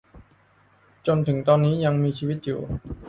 จนถึงตอนนี้ยังมีชีวิตอยู่